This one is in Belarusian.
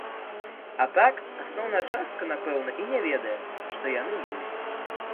А так асноўная частка, напэўна, і не ведае, што яны ёсць.